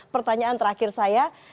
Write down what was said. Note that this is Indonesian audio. pertanyaan terakhir saya